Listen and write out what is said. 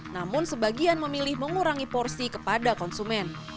namun sebagian memilih mengurangi porsi kepada konsumen